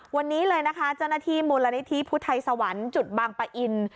วันนี้เลยนะคะเจ้าหน้าที่มูลนิธิพุทธไทยสวรรค์จุดบางปะอิน